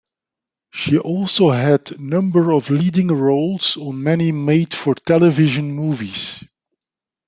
She also had number of leading roles on many made-for-television movies.